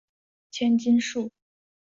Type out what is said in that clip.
千筋树